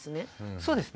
そうですね。